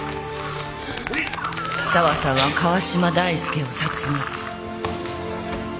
沢さんは川嶋大介を殺害。